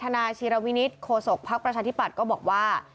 นายชีรวินิตโฆษกภักดิ์ประชาธิปัตย์ก็บอกว่า